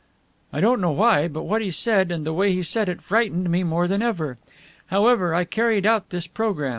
I don't know why, but what he said and the way he said it frightened me more than ever. However, I carried out his program.